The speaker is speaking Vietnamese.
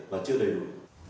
và chưa đầy đủ